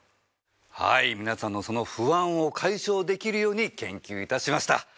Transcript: はい皆さんのその不安を解消できるように研究いたしました。